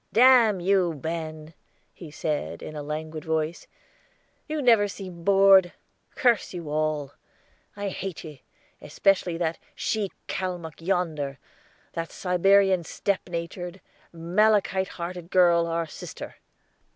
"Damn you, Ben," he said, in a languid voice: "you never seem bored. Curse you all. I hate ye, especially that she Calmuck yonder that Siberian steppe natured, malachite hearted girl, our sister."